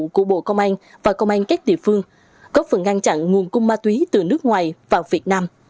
của bộ công an và công an các địa phương góp phần ngăn chặn nguồn cung ma túy từ nước ngoài vào việt nam